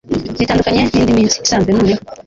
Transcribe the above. bitandukanye n'indi minsi isanzwe noneho